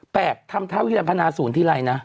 แปลกทำเท้าพนานฟินาศูนย์ที่รายน่ะ